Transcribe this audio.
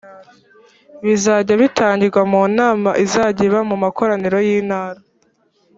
bizajya bitangirwa mu nama izajya iba mu makoraniro y intara